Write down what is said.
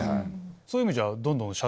そういう意味じゃどんどん。